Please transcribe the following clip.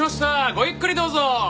ごゆっくりどうぞ！